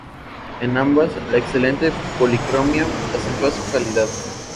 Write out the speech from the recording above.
En ambas, la excelente policromía acentúa su calidad.